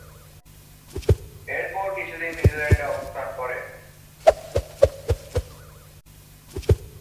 এরপর, কিছুদিন নিউজিল্যান্ডে অবস্থান করেন।